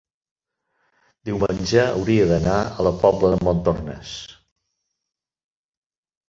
diumenge hauria d'anar a la Pobla de Montornès.